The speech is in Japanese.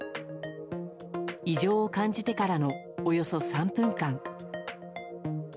異常を感じてからのおよそ３分間。